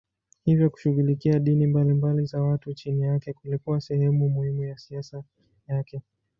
Hivyo kushughulikia dini mbalimbali za watu chini yake kulikuwa sehemu muhimu ya siasa yake.